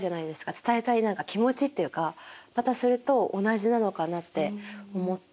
伝えたい何か気持ちっていうかまたそれと同じなのかなって思って。